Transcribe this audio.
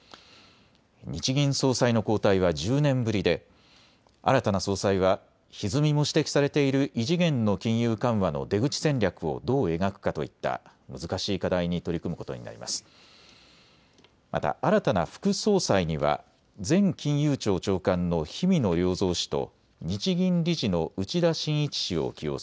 日銀総裁の交代は１０年ぶりで、新たな総裁は、ひずみも指摘されている異次元の金融緩和の出口戦略をどう描くかといった、難しい課題に取り組むことになります。